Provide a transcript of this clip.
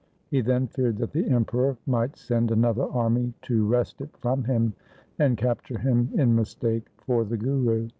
He then feared that the Emperor might send another army to wrest it from him and capture him in mistake for the Guru.